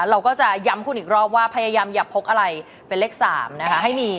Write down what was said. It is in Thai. เราก็จะย้ำคุณอีกรอบว่าพยายามอย่าพกอะไรเป็นเลข๓นะคะ